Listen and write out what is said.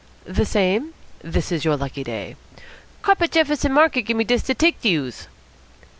"The same. This is your lucky day." "Cop at Jefferson Market give me dis to take to youse."